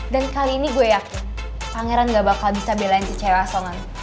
dan kali ini gue yakin pangeran gak bakal bisa belain si cewek aso kan